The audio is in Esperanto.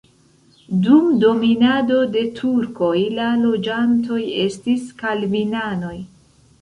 Dum dominado de turkoj la loĝantoj estis kalvinanoj.